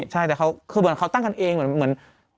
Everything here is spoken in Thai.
ใช่แต่เขาคือเหมือนเขาตั้งกันเองเหมือน